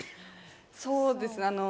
そうですね。